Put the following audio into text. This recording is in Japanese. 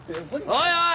おいおい。